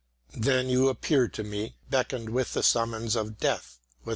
Then you appeared to me, beckoning with the summons of Death.